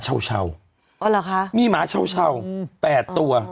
เช่าอ๋อเหรอคะมีหมาเช่า๘ตัว